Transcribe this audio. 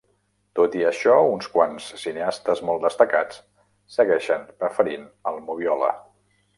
Tot i això, uns quants cineastes molt destacats segueixen preferint el Moviola.